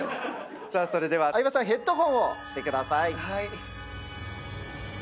さあそれでは相葉さんヘッドホンをしてください。